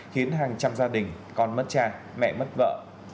khiến hàng trăm gia đình con mất cha mẹ mất vợ